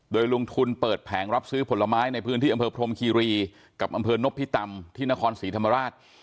โดยลงทุนเปิดแผงรับซื้อผลไม้ในพื้นที่อำเภอพรมคีรีกับอำเภอนพิตำที่นครศรีธรรมราช